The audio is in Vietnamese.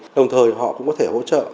đồng thời họ cũng có thể hỗ trợ